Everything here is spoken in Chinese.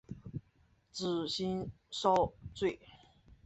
紫蕊蚤缀